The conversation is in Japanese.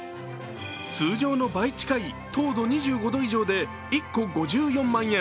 通常の倍近い糖度２５度以上で１個５４万円